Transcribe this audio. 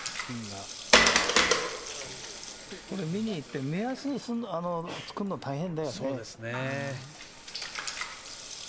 見に行って目安を作るのが大変だよね。